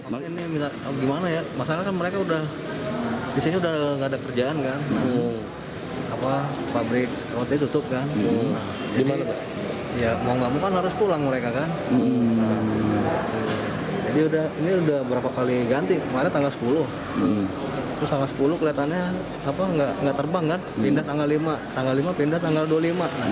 pada tahun dua ribu sepuluh kelihatannya tidak terbang pindah tanggal lima tanggal lima pindah tanggal dua puluh lima